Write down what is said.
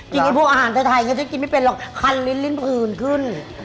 ไอ้พวกอาหารไทยฉันกินไม่เป็นหรอกคันลิ้นอื่นขึ้น